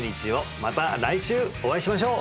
また来週お会いしましょう！